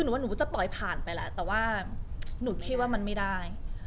หนูว่าหนูก็จะปล่อยผ่านไปแหละแต่ว่าหนูคิดว่ามันไม่ได้